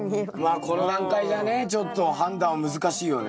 まあこの段階じゃねちょっと判断難しいよね。